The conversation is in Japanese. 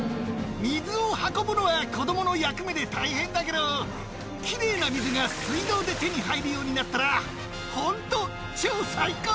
水を運ぶのは子どもの役目で大変だけど、きれいな水が水道で手に入るようになったら、本当、超最高！